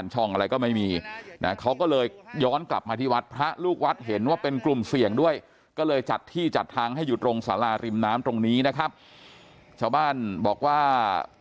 ชาวบ้านบอกว่า